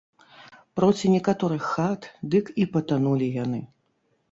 Проці некаторых хат дык і патанулі яны.